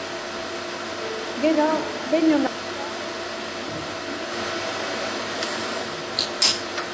Gero, behin onartuta, emendakinak eztabaidatuko lirateke.